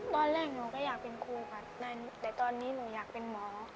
ตอนแรกหนูก็อยากเป็นครูค่ะแต่ตอนนี้หนูอยากเป็นหมอ